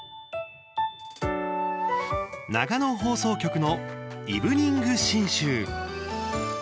長野放送局の「イブニング信州」。